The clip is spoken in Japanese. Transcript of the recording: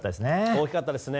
大きかったですね。